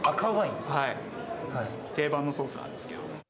定番のソースなんですけど。